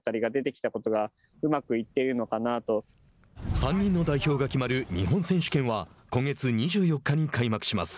３人の代表が決まる日本選手権は今月２４日に開幕します。